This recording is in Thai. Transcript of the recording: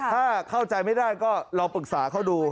ถ้าเข้าใจไม่ได้ก็ลองปรึกษาเขาดู